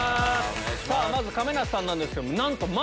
まず亀梨さんなんですけども。